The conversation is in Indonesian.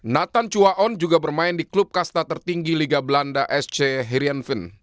nathan chua on juga bermain di klub kasta tertinggi liga belanda sc herianvin